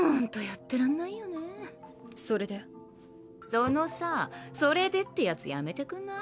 そのさぁ「それで？」ってヤツやめてくんない？